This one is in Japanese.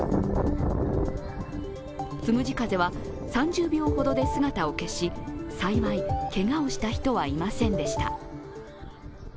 つむじ風は、３０秒ほどで姿を消し幸い、けがをした人はいませんでした。